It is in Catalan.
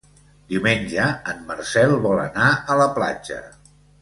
Diumenge en Marcel vol anar a la platja.